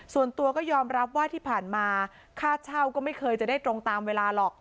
ส่วนตัวก็ยอมรับว่าที่ผ่านมาค่าเช่าก็ไม่เคยจะได้ตรงตามเวลาหรอก